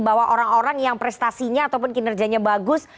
bahwa orang orang yang prestasinya ataupun kinerjanya bagus